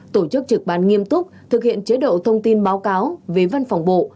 tổ chức trực ban nghiêm túc thực hiện chế độ thông tin báo cáo về văn phòng bộ